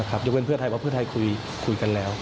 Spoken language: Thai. ยกเว้นเพื่อไทยเพราะเพื่อไทยคุยกันแล้ว